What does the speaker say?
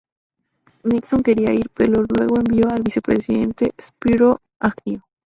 Nixon quería ir, pero luego envió al vicepresidente Spiro Agnew.